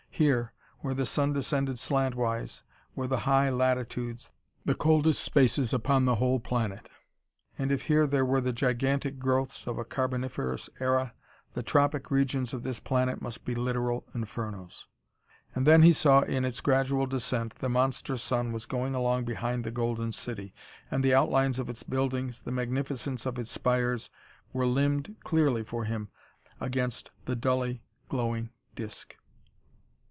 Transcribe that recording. Here, where the sun descended slantwise, were the high latitudes, the coldest spaces upon all the whole planet. And if here there were the gigantic growths of a carboniferous era, the tropic regions of this planet must be literal infernos. And then he saw in its gradual descent the monster sun was going along behind the golden city, and the outlines of its buildings, the magnificence of its spires, were limned clearly for him against the dully glowing disk.